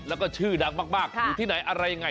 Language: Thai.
แล้วก็ชื่อดังมากอยู่ที่ไหนอะไรยังไง